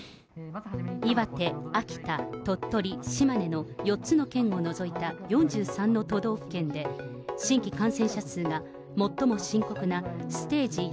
岩手、秋田、鳥取、島根の４つの県を除いた４３の都道府県で、新規感染者数が、最も深刻なステージ４